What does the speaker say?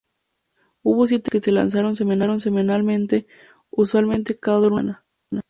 Hubo siete episodios que se lanzaron semanalmente, usualmente cada lunes de la semana.